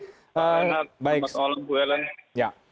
selamat malam bu ellen